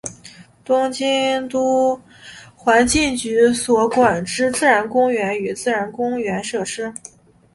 东京都环境局所管之自然公园与自然公园设施。